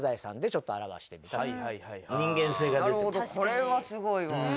これはすごいわ。